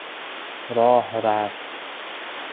راه رفت